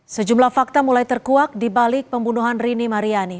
sejumlah fakta mulai terkuak di balik pembunuhan rini mariani